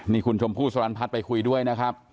นี่คุณชมผู้สลันพัดไปคุยด้วยนะครับ